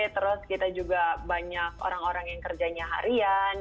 terus kita juga banyak orang orang yang kerjanya harian